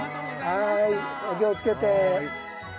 はいお気を付けて。